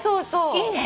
いいね！